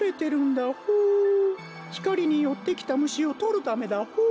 ひかりによってきたむしをとるためだホー。